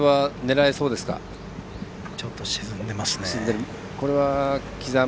ちょっと沈んでますね。